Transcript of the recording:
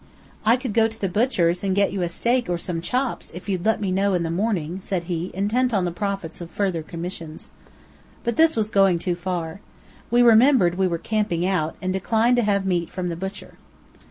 "I could go to the butcher's and get you a steak or some chops, if you'd let me know in the morning," said he, intent on the profits of further commissions. But this was going too far. We remembered we were camping out, and declined to have meat from the butcher.